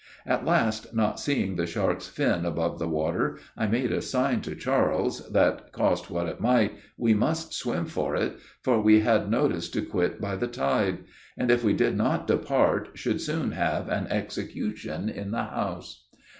At last, not seeing the shark's fin above the water, I made a sign to Charles, that cost what it might, we must swim for it, for we had notice to quit by the tide; and if we did not depart, should soon have an execution in the house.